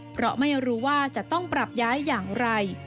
เพราะไม่รู้ว่าจะต้องปรับย้ายอย่างไร